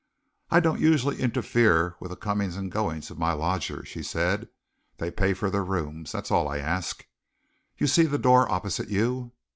"I do not usually interfere with the comings and goings of my lodgers," she said. "They pay for their rooms. That is all I ask. You see the door opposite you?"